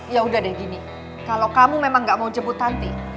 yaudah deh gini kalau kamu memang gak mau jemput tanti